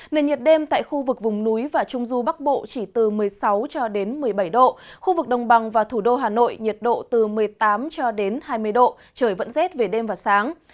nền nhiệt đêm tại khu vực vùng núi và trung du bắc bộ chỉ từ một mươi sáu cho đến một mươi bảy độ khu vực đồng bằng và thủ đô hà nội nhiệt độ từ một mươi tám cho đến hai mươi độ trời vẫn rét về đêm và sáng